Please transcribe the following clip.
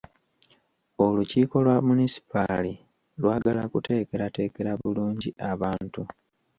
Olukiiko lwa Munisipaali lwagala kuteekerateekera bulungi abantu.